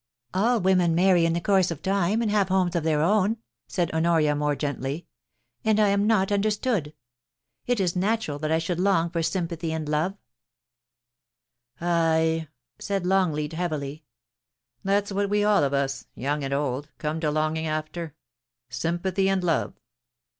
* All women marry in the course of time, and have homes of their own,' said Honoria, more gently. *And I am not understood It is natural that I should long for sympathy and love' * Ay !' said Longleat, heavily, * that's what we all of us, young and old, come to longing after — sympathy and love.'